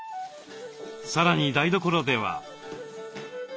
さらに台所では。